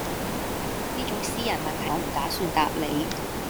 呢種私人問題我唔打算答你